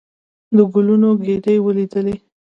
د ګلونو ګېدۍ ولېدلې.